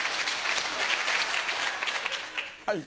はい。